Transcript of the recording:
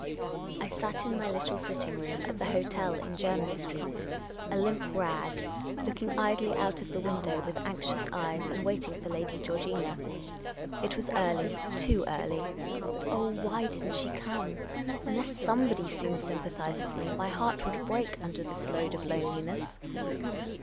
I sat in my little sitting room at the hotel in Jermyn Street, a limp rag, looking idly out of the window with anxious eyes, and waiting for Lady Georgina. It was early, too early, but — oh, why did n't .she come ! Unless somebody soon sym pathised with me, my heart would break under this load of loneliness